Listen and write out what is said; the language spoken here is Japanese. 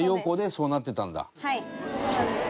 そうなんです。